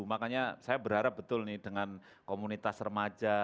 makanya saya berharap betul nih dengan komunitas remaja